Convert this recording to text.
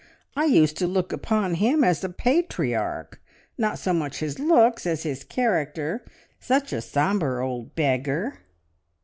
I used to look upon him as a patriarch. Not so much his looks as his character. Such a sombre old beggar!"